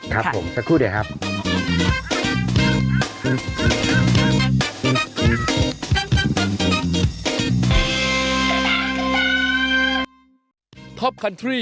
ครับผมสักครู่เดี๋ยวครับ